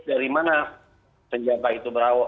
dari mana senjata itu